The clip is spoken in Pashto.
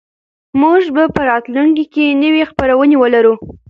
موږ به په راتلونکي کې نوې خپرونې ولرو.